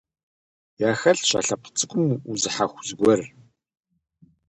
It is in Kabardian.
Яхэлъщ а лъэпкъ цӀыкӀум узыхьэху зыгуэр.